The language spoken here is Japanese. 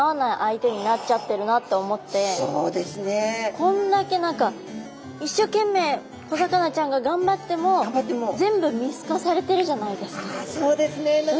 こんだけ何か一生懸命小魚ちゃんが頑張っても全部見透かされてるじゃないですか。